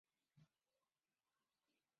是下辖的一个类似乡级单位。